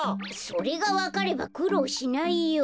それがわかればくろうしないよ。